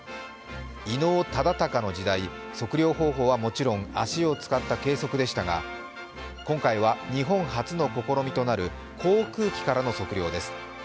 伊能忠敬の時代、測量方法はもちろん、足を使った計測でしたが今回は日本初の試みとなる航空機からの測量です。